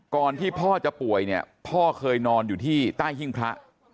ก่อนที่พ่อจะป่วยพ่อเคยนอนอยู่ที่ใต้หิ้งพระ